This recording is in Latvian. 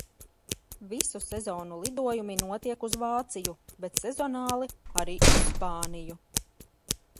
Visu sezonu lidojumi notiek uz Vāciju, bet sezonāli – arī uz Spāniju.